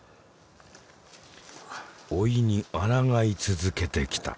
老いにあらがい続けてきた。